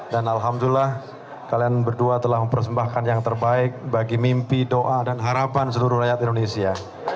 dan alhamdulillah kalian berdua telah mempersembahkan yang terbaik bagi mimpi doa dan harapan seluruh rakyat indonesia